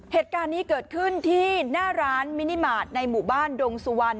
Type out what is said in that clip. เหตุการณ์นี้เกิดขึ้นที่หน้าร้านมินิมาตรในหมู่บ้านดงสุวรรณ